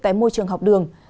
tại môi trường học đường